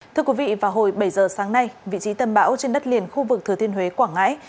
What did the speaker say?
thưa quý vị vào hồi bảy giờ sáng nay vị trí tâm bão trên đất liền khu vực thừa thiên huế quảng ngãi